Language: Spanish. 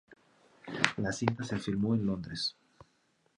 La cinta se filmó en Londres.